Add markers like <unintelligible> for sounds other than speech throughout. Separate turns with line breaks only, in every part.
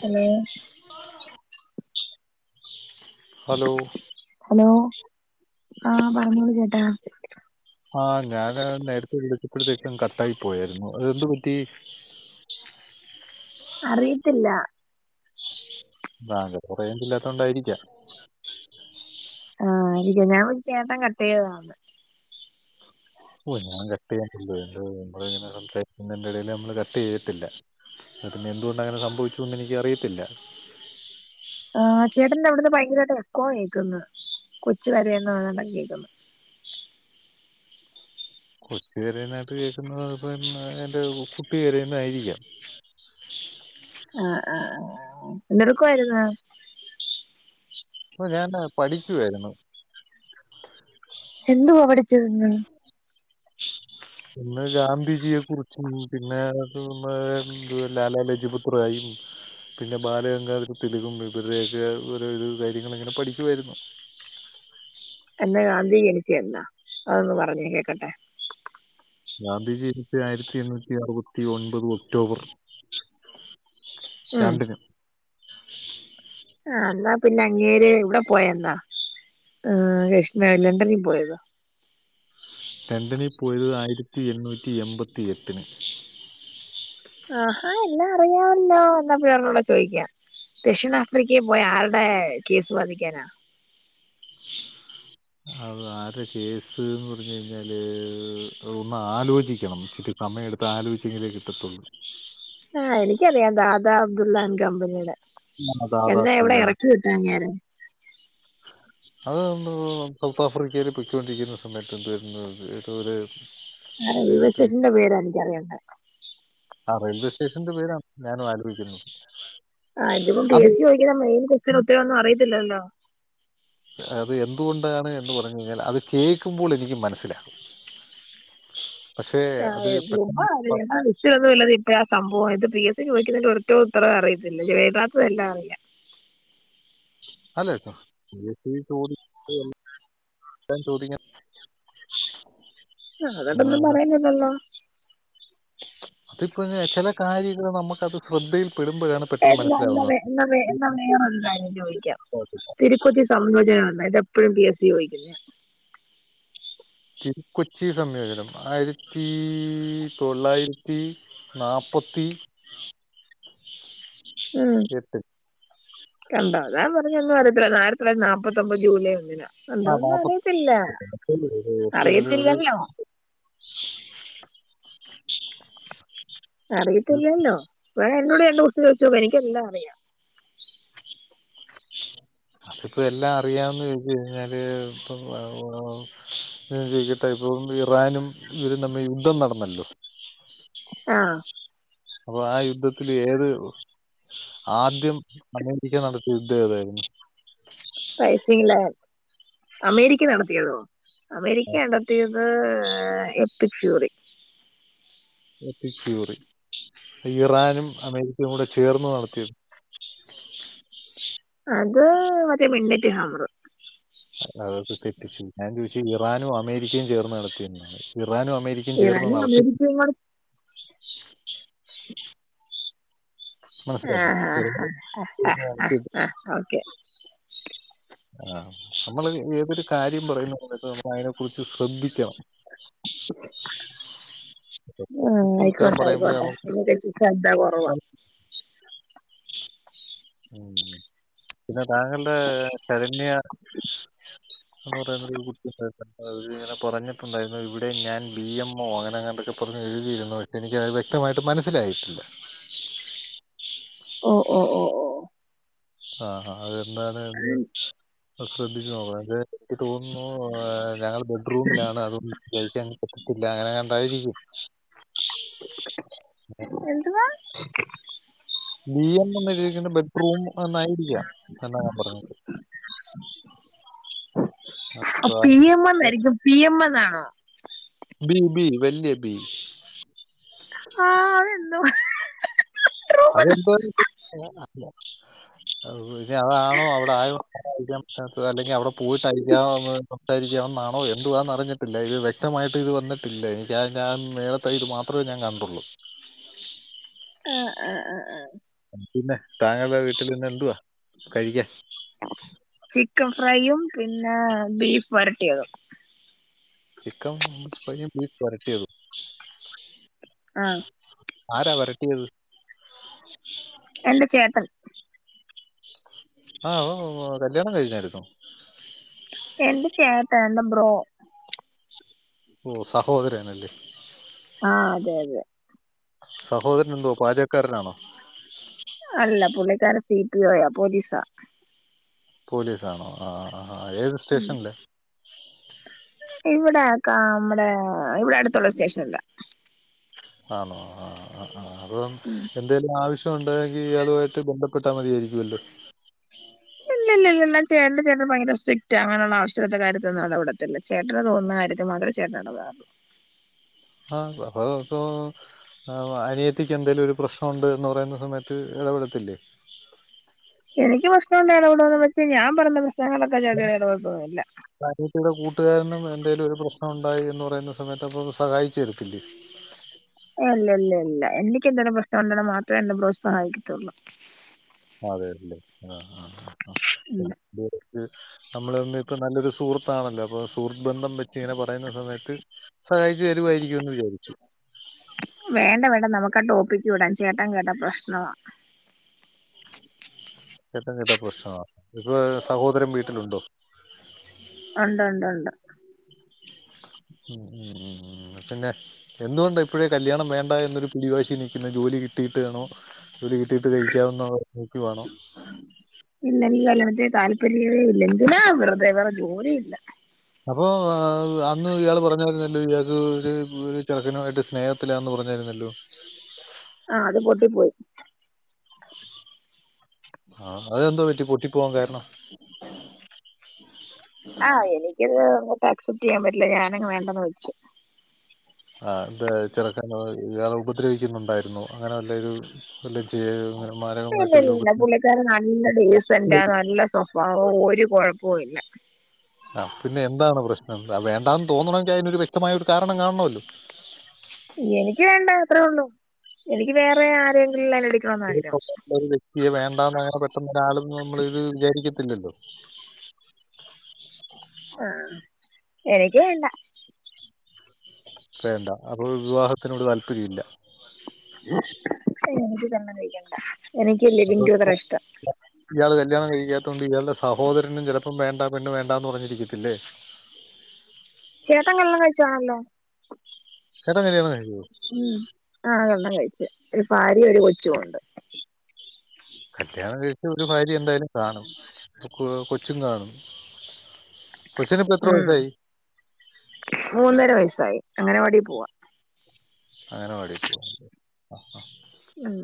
Hello
ആ <inaudible> hello
hello ആഹ പറഞ്ഞോളൂ ചേട്ടാ.
ആഹ് ഞാന് നേരത്തെ വിളിച്ചപ്പഴത്തേക്കും കട്ടായി പോയായിരുന്നു അതെന്ത് പറ്റി.
അറിയത്തില്ല.
<unintelligible> രെഞ്ചു ഇല്ലാത്ത കൊണ്ടായിരിക്കാം
ആഹ് <unintelligible> ഞാൻ ഒരു ചേട്ടൻ കട്ട് ചെയ്താണ്.
ഓ ഞാൻ കട്ട് ചെയ്യാൻ നമ്മ ഇങ്ങനെ സമ്സരത്തിന്റെ <unintelligible> ഇടൽ നമ്മള് കട്ട് ചെയ്യത്തില്ല എന്തുകൊണ്ട് അങ്ങനെ സംഭവിച്ചുന്ന് എനിക്ക് അറിയത്തില്ല.
ആ ചേട്ടൻന്റെ അവിടുന്ന് ഭയങ്കരമായിട്ട് എക്കോ കേക്കുന്നു കൊച്ച് കരയുന്ന് <unintelligible> കേൾക്കുന്നു
കൊച്ചുകരന്നായിട്ട് കേൾക്കുന്നപ്പ എന്റെ കുട്ടി കരയ്ന്ന ആയിരിക്കാം
ആ ആ ഹെന്തടുക്കായിരുന്ന
അപ്പൊ ഞാന് പഠിക്കുവായിരുന്നു.
എന്തുവാ പഠിച്ചിന്ന് ഉ <inaudible>
പിന്നെ ഗാന്ധിജിയെ കുറിച്ചും പിന്നെ നമ്മ എതു ലാലാ ലജിപുത്റായിയും പിന്നെ ബാലഗംഗതാരാ തിലകും ഇവരുടെയൊക്കെ ഓരോരോ കാര്യങ്ങൾ ഇങ്ങനെ പഠിക്കുകയായിരുന്നു
എന്നാ ഗാന്ധി ജനിച്ച എന്നാ അതൊന്ന് പറഞ്ഞെ കേക്കട്ടെ
ഗാന്ധിജയന്തി ആയിരത്തി എണ്ണൂറ്റി അറുപത്തി ഒൻപത് ഒക്ടോബർ രണ്ടിന്
ആ എന്നാ പിന്നെ അങ്ങേര് ഇവിടെ പോയന്നാ ആ കൃഷ്ണാ ലണ്ടനിൽ പോയതോ
ലണ്ടനിൽ പോയത് ആയിരത്തി എണ്ണൂറ്റി എൺപത്തി എട്ടിന്
ആഹാ എല്ലാം അറിയാവല്ലോ എന്നപ്പോട് ചോദിക്കാം ദക്ഷിണാഫ്രിക്കയിൽ പോയ ആരുടെ കേസ് വാദിക്കാനാ
അത് ആരെ കേസ്ന്ന് പറഞ്ഞു കഴിഞ്ഞാല് ഒന്ന് ആലോചിക്കണം ചറ്റ സമയമെടുത്ത് ആലോചിച്ചെങ്കിലേ കിട്ടത്തുള്ളൂ
ആഹ എനിക്കറിയാം ദാദാ അബ്ദുല്ലാൻ കമ്പനിയുടെ എന്നന്താ എവിടെ
ദാദാസുല്ലാൻ
ഇറക്കി വി ട്ടാങ്ങര്
അത് നമ്മ സൗത്ത് ആഫ്രിക്കയിയില് പയ്ൊണ്ടിരിക്കുന്ന സമയത്ത് എന്ത് വരുന്നത് ഏതോ
അ യ വിശേഷന്റെ പേര് എനിക്കറിയേണ്ടത്
ആ റെയിൽവേ സ്റ്റേഷന്റെ പേരാണ് ഞാനും ആലോചിക്കുന്നത്
ആ ഇതിപ്പ പി എസ് സി ചദിക്കുന്ന മെയിൻക്സ്റ്റൻ ഉരംന്നും അിയത്തില്ലോ
അത് എന്തുകൊണ്ടാണ് എന്ന് പറഞ്ഞു കഴിഞ്ഞാൽ അത് കേൾക്കുമ്പോൾ എനിക്ക് മനസ്സിലാകും പക്ഷേ
ആ <unintelligible>
അത്
<unintelligible>
പെട്ടെന്ന് പറഞ്ഞാൽ
ആ സംഭവം ഇത് പി എസ് സി ചോദിക്കുന്നതി ഒരറ്റോ ഉത്തര അറിയത്തില്ല എഴുതാതെയെല്ല അറിയ.
അല്ലെട്ടോ പി എ സ് സി ചോദിച്ചതെ ഞാൻ ചോദിക്കാം
അതോണ്ടന്നും പറയുന്നില്ലല്ലോ
അതിപ്പോ ചില കാര്യങ്ങള് നമ്മുക്കത് ശ്രദ്ധയിൽ പെടുമ്പ
എന്ന വേഎന്ന വേഎന്ന വേറെ ഒരു കാര്യം ചോദിക്കാം തിരു കൊച്ചുസംയോചനം <unintelligible> ഇതപ്പഴും പി എസ് സി ചോയിക്കുന്നേ
തിരു കൊച്ചി സംയോജനം ആയിരത്തി തൊള്ളായിര ത്തി നാപ്പത്തി
ഉം
എട്ട്
കണ്ടോ വേറൊന്ന് <unintelligible> ആയിത്തി തൊള്ളായിരത്തി നാപ്പത്തൊമ്പത് ജൂലൈ ഒന്നിനാ
ആ
എന്തന്നും
നാപ്പത്തി
അറിയത്തില്ല
എട്ട് ഒരു ഒരു
അറിയത്തില്ലല്ലോ
ഒരു-
അറിയത്തില്ലല്ലോ, വേറെ എന്നോട് രണ്ട് കൊസ്റ്റൻ ചോദിച്ചോക്ക എനിക്കെല്ലാം അറിയാം. <inaudible>
അതിപ്പോ എല്ലാം അറിയാന്ന് ചോയ്ച്ച് കഴിഞ്ഞാല് ഇപ്പം <unintelligible> <unintelligible> ഇറാനും ഇവരും തമ്മിയുദ്ധം നടന്നല്ലോ
ആഹ്
അപ്പൊ ആ യുദ്ധത്തില് ഏത് ആദ്യം അമേരിക്ക നടത്തിയ യുദ്ധം ഏതായിരുന്നു.
പൈസീലാൽ അമേരിക്ക നടത്തിയതോ? അമേരിക്ക നടത്തിയത് എപ്പിക്സുയറി
എപ്പിക്സുയറി ഇറാനും അമേരിക്കയും കൂടെ ചേർന്ന് നടത്തിയതോ?
അത് മറ്റേ മെൺണെറ്റി ഹാമർ
അതൊക്കെ തെറ്റിച്ചു. ഞാൻ ചോദിച്ചത് ഇറാനും അമേരിക്കയും ചേർന്ന് നടത്തിയ <unintelligible> ഇറാനും അമേരി
ഇറാനും അമേരിക്കയുംകൂടെ
മനസ്സിലായി
ആ
ഇറാനും
ആ
ചേർന്ന് നടത്തിയത്.
ആ ഓക്കെ
ആ നമ്മള് ഏതൊരു കാര്യം പറയുന്ന സമയത്തും നമ്മളയ്നെ കുറിച്ച് ശ്രദ്ധി ക്കണം
ആഹ്
<unintelligible> ഉത്തരം
ആയിക്കോട്ടെ ആയിക്കോട്ടെ
പറയുമ്പോ
ഇതിനെക്കുറിച്ച് ശ്രദ്ധ കുറവാ
<unintelligible> ഉം പിന്നെ താങ്കളുടെ ശരണ്യ <unintelligible> അവര് ഇങ്ങനെ പറഞ്ഞിട്ടുണ്ടായിരുന്നു ഇവിടെ ഞാൻ ബി എംഒ അങ്ങനെ എങ്ങാണ്ടക്കെ പർഞ്ഞ് എഴുതിയിരുന്നു. എനക്കത് വ്യക്തമായിട്ട് മനസ്സിലായിട്ടില്ല.
ഓ ഓ ഓ
ആഹാ അത് എന്താണ് അയ്‌ന്റെ ശ്രദ്ധിച്ച് നോക്കണം. അത്‌ എനിക്ക് തോന്നുന്നു ഞങ്ങള് ബെഡ്റൂമിലാണ് അതുകൊ ജയിക്കാൻപറ്റത്തില്ല അങ്ങനെങ്ങെ നാണ്ടായിരിക്കും.
എന്തു വാ
ബി എം എന്നൊഴുതിയിരിക്കുന്നെബെഡ് റൂം എന്നായിരിക്കാം, എന്നാ ഞാൻ പറഞ്ഞത്. ആ
പി എം എന്നായിരിക്കും പി എം എന്നാണോ?
ബി ബി വലിയ ബി
ആഹ് അത് എന്തുവാ
അതെന്ത <unintelligible> <unintelligible> അല്ലെങ്കി അവിടെ പോയിട്ടായിരിക്കാ <unintelligible> സംസാരിക്കാണെന്നാണോ എന്തു വാ ന്നറിഞ്ഞിട്ടില്ല ഇത് വ്യക്തമായിട്ട് ഇത് വന്നിട്ടില്ല. എനിക്ക ഞാൻ നേര ഇത് മാത്രമേ ഞാൻ കണ്ടുള്ളൂ.
ആഹ് ആ ആ ആ
പിന്നെ താങ്ങുടെ വീട്ടിൽ നിന്ന എന്തുവാ കഴിക്കാൻ
ചിക്കൻ ഫ്രൈയും പിന്നെ ബീഫ് വരട്ടിയതും
ചിക്കൻ ക ബീഫ് വരട്ടിയത
ആഹ
ആരാ വരട്ടിയത് <inaudible>
എന്റെ ചേട്ടൻ
ആ കല്യാണം കഴിഞ്ഞായിരുന്നോ
എന്റെ ചേട്ടാ എന്റെ ബ്രോ
ഓഹ സഹോദരനൽ ലെ
ആഹ അതെ അതെ
സഹോദരൻ എന്തോ പാചകക്കാരനാണോ
അല്ല പുള്ളിക്കാര സിപഒയ പോലീസാ
പോലീസ്ാണോ ആ ആ ആ ഏത് സ്റ്റേഷനല്ലേ
ഇവിടെക്ക നമ്മടെ ഇവിടെ അടുത്തുള്ള സ്റ്റേഷന ഇല്ല
ആണോ ആ ആ അത എന്തേലും ആവശ്യ ഉണ്ടെങ്കിൽ ഇയാളുമായിട്ട് ബന്ധപ്പെട്ടാ മതിയരിക്കുമല്ലോ
ഇല്ല ഇല്ല എല്ലാം ചേ ചേ ഭയങ്കര സ്ട്രിക്റ്റ് അങ്ങനെയുള്ള ആവശ്യകത്തെ കാര്യൊന്നും അവിടെവിടുത്തില്ല ചേട്ടന തോന്നുന്ന കാര്യത്തിൽ മാത്രൊരു ചേട്ടനതാറള്ളൂ
ആ അപ്പോത്ത അനിയറ്റയ്ക്ക് എന്തേലും ഒരു പ്രശ്നമുണ്ട എന്ന് പറയുന്ന സമയത്ത് ഇടപെടത്തില്ലേ
എനിക്ക് പ്രശ്നം ഉണ്ട് ഇടവിടുന്ന് പക്ഷേ ഞാൻ പറഞ്ഞ പ്രശ്നങ്ങളൊക്കെ ചേട്ടൻ ഇടപെടത്താന്നുല്ല
അനിയത്തിയുടെ കൂട്ടുകാരനും എന്തെേലും ഒരു പ്രശ്നം ഉണ്ടായി എന്ന് പറയുന്ന സമയത്ത് അപ്പ സഹായിച്ചു തരത്തില്ലേ
ല്ല ഇല്ല ഇല്ല എനിക്ക് എന്തേ പ്രശ്നംണ്ട മാത്രമേ എന്നെ ബ്രോ സഹായിക്കാത്തള്ളു
ആ അതെല്ലെ ആ ആ് ആ
ഉം.
<unintelligible> നമ്മള് തമ്മിൽ ഇപ്പൊ നല്ലൊരു സുഹൃത്താണല്ലോ അപ്പൊ സുഹൃത്ത് ബന്ധം വെ ിങ്ങനെ പറയുന്ന സമയത്ത് സഹായിച്ചു തരുവായിരിക്കുമ എന്ന് വിചാരിച്ചു
വേണ്ട വേണ്ട നമുക്ക് ആ ടോപ്പിക്ക് വിടാൻ ചേട്ടാൻ കേട്ടാ പ്രശ്നവാ
ഏറ്റ ചിട്ട പ്രശ്ന ഇപ്പ സഹോദരം വീട്ടിലുണ്ടോ
ഉണ്ട് ഉണ്ട് ഉണ്ട്
ഉ ഉം ഉ ഉ പിന്നെ എന്തുകൊണ്ട ഇപ്പോഴേ കല്യാണം വേണ്ട എന്നൊരു പിടിവാശി നിൽക്കുന്നു ജോലി കിട്ടിയിട്ട് വേണോ ജോലി കിട്ടിയിട്ട് കഴിക്കാവുന്ന നോക്കി വേണോ
ഇല്ല മതേ താല്പര്യവേ ഇല്ല എന്നാ വറതെ വേറെ ജോലി കിട്ട-
അപ്പൊ അന്ന് ഇയാൾ പറഞ്ഞ പറഞ്ഞല്ല ഇയാൾക്ക് ഒരു ചെരക്കിനു ആയിട്ട് സ്നേഹ ത്തിലാന്ന് പറഞ്ഞിരുന്നല്ലോ
ആഹ അത് പൊട്ടി പോയി
ആഹ അതെന്തോ പറ്റി പൊട്ടി പോവാാൻ കാരണം
ആഹ് എനിക്കത്ങ്ങോട്ട് ആക്സെപ്റ്റ് ചെയ്യാൻ പറ്റില്ല ഞാാനങ്ങ് വേണ്ടന്ന് വെിച്ചു
ആ ഇത് ചെറക്കൻ ഇയാള ഉപദ്രവിക്കുന്നുണ്ടായിരുന്നു അങ്ങനെ വല്ലരു മല്ലേ ജേ
ഇല്ലല്ല ല്ലാ പുള്ളിക്കരൻ നല്ല ഡീസന്റാ നല്ല സ്വ ഭാവോം ഒരു കൊഴപ്പോം ഇല്ല
ആ പിന്നെ എന്താണ് പ്രശ്നം വ വേണ്ടാന്ന് തോന്നണോങ്കി അയിനൊരു വ്യക്തമായ ഒരു കാരണം കാണണോല്ലോ
എനിക്ക് വേണ്ട അത്രേ ഒള്ളൂ എനിക്ക് വേറെ ആരെങ്കിൽ ലൈൻ അടിക്കണോന്നാ
ഒരു
ആഗ്രഹം
സ്വഭാവമുള്ള ഒരു വ്യക്തിയെ വേണ്ടാന്ന് അങ്ങനെ പെട്ടെന്ന് ഒരാളൊന്നും നമ്മളിത് വിചാരിക്കത്തില്ലല്ലോ
ആഹ എനക്ക് വേണ്ട
വേണ്ട അപ്പൊ വിവാഹത്തിനോട് താല്പര്യം ഇല്ല
എനിക്ക് കഴിക്കണ്ട എനിക്ക് ലിവിംഗ് ടുഗെതറാ ഇഷ്ടം
ഇയാള് കല്യാണം കഴിക്കാത്തോണ്ട് ഇയാളുടെ സഹോദരനും ചെലപ്പം വേണ്ട പെണ്ണ് വേണ്ടാന്ന് പറഞ്ഞിരിക്കത്തില്ലേ
ചേട്ടൻ കല്യാണം കഴിച്ചയാണല്ലോ
ചേട്ടൻ കല്യാണം കഴി <unintelligible>
ഉം ആ കല്യാണം കഴിച്ച് ഒരു ഭാര്യേം ഒരു കൊച്ചുവുണ്ട്
കല്യാണം കഴച്ചാ ഒരു ഭാര്യ എന്തായാലും കാണും കൊ കൊച്ചും കാണും കൊച്ചിനിപ്പോ എത്ര
ഉം
വയസ്സായി
മൂന്നര വയസ്സായി അംഗനവാടി പോവാ
അംഗനവാടി പോ <unintelligible>
ഉം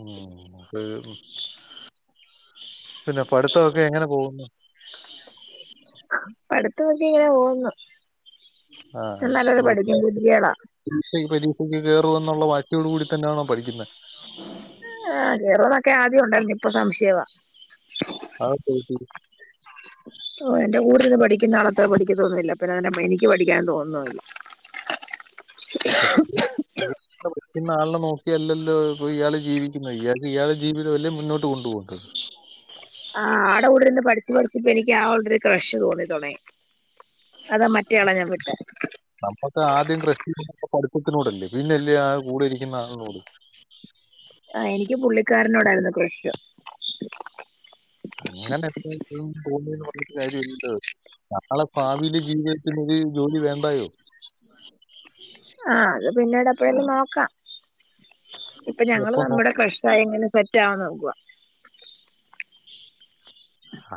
ഉം അപ്പ <unintelligible> പിന്നെ പഠിത്തവൊക്കെ എങ്ങനെ പോകുന്നു?
പടുത്തവൊക്കെ ഇങ്ങനെ പോവുന്ന് ഞാൻ നല്ലോല <unintelligible> പഠിക്കും ഗുഡ്ഗേളാ
ല്ല ഈ പരീക്ഷക്ക് കേറുവെന്നുള്ള വാശിയോട് കൂടി തന്നെയാണോ പഠിക്കുന്നെ?
ആഹ കേറോന്നൊക്കെ ആദ്യം ഒണ്ടായിരുന്നു ഇപ്പ സംശയവാ
ആ ശരി ശരി
<unintelligible> ഓ എന്റെ കൂടിരുന്ന് പഠിക്കുന്ന ആളത്ര പഠിക്കത്തൊന്നുവില്ല അപ്പ ഞാനെന്റെ എനിക്ക് പഠിക്കാൻ തോന്നുന്നുവില്ല <unintelligible>
<unintelligible> ഇന്നേ ആളിനെ നോക്കിയല്ലല്ലോ ഇയാൾ ജീവിക്കുന്ന ഇയാൾക്ക് ഇയാള ജീവിതവല്ലേ മുന്നോട്ട് കൊണ്ട് പോണ്ടത് -
ആ ആ ആട കൂടിരുന്ന് പഠിച്ച് പഠിച്ചി എനിക്ക് ആ ആളോട് ക്രഷ് തോന്നി തൊടങ്ങി അതാ മറ്റയാളെ ഞാൻ വിട്ടെ
നമ്മക്ക് ആദ്യം ക്രഷ് പഠിത്തത്തിനോടല്ലേ പിന്നല്ലേ ആ കൂടെ ഇരിക്കുന്ന ആളിനോട്
ആ എനിക്ക് പുള്ളിക്കാരനോടായിരുന്നു ക്രഷ്
അങ്ങനെപ്പോ തോന്നിന്ന് പറഞ്ഞിട്ട് കാര്യമില്ലല്ലോ നമ്മള ഭാവീല് ജീവിതത്തിലോര് ജോലി വേണ്ടായോ?
ആഹ അത് പിന്നീട് എപ്പഴേലും നോക്കാം ഇപ്പ ഞങ്ങള്
ഒപ്പം നോ-
നമ്മുടെ ക്രഷായി ഇങ്ങനെ സെറ്റാവാൻ നോക്കുവ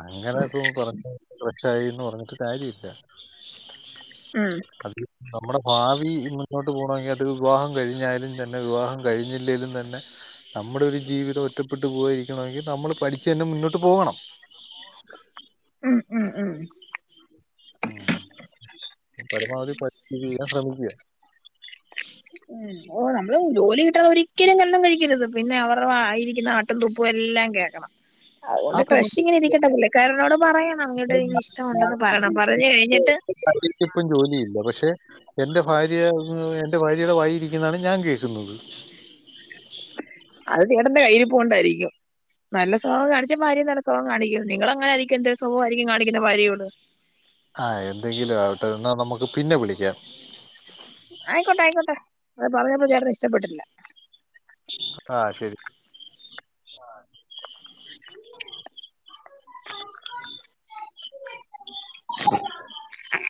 അങ്ങനെപ്പൊ പറഞ്ഞ ക്രഷായീന്ന് പറഞ്ഞിട്ട് കാര്യവില്ല
ഉം
അത് <unintelligible> നമ്മുടെ ഭാവി മുന്നോട്ട് പോണക്കിൽ അത് വിവാഹം കഴിഞ്ഞായാലും തന്നെ വിവാഹം കഴിഞ്ഞില്ലേലും തന്നെ നമ്മുടെ ഒരു ജീവിതം ഒറ്റപ്പെട്ട് പോവയിരിക്കണമെങ്കി നമ്മള് പഠിച്ച്അന്നെ മുന്നോട്ട് പോവണം
ഉം ഉം ഉം
ഉം പരമാവധി പഠി <unintelligible> ചെയ്യാൻ ശ്രമിക്ക <unintelligible>
ഉം ഓ നമ്മള് ജോലി കിട്ടാത ഒരിക്കലും കല്യാണം കഴിക്കരുത് പിന്നെ അവരുടെ വായിരിക്കുന്ന ആട്ടും തുപ്പും എല്ലാം കേക്കണം. അതുകൊണ്ട്
അതൊന്നും
ക്രഷ് ഇങ്ങനെ ഇരിക്കട്ടെ പുള്ളിക്കാരനോട് പറയാം അങ്ങയോട് ഇഷ്ടവൊണ്ടെന്ന് പറയണം പറഞ്ഞ് കഴിഞ്ഞിട്ട്
<unintelligible> ഇപ്പം ജോലിയില്ല പക്ഷെ എന്റെ ഭാര്യ മ്മ് എന്റെ ഭാര്യയുടെ വായി ഇരിക്കുന്നാണ് ഞാൻ കേക്കുന്നത്
അത് ചേട്ടന്റെ കയ്യിരിപ്പ് കൊണ്ടായിരിക്കും നല്ല സൊഭാവം കാണിച്ചാ ഭാര്യയും നല്ല സൊഭാവം കാണിക്കും നിങ്ങളൾ അങ്ങനെ ആരിക്കും എന്ത് സോഭം ആയിരിക്കും കാണിക്കുന്ന ഭാര്യയോട്.
ആഹ എന്തെങ്കിലും ആവട്ടെ എന്നാൽ നമുക്ക് പിന്നെ വിളിക്കാം.
ആയിക്കോട്ട ആയിക്കോട്ട അത് പറഞ്ഞപ്പോ ചേട്ടന് ഇഷ്ടപ്പെട്ടില്ല.
ആഹ ശെരി ആഹ
<inaudible>